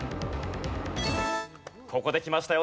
ここできましたよ